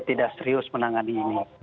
tidak serius menangani ini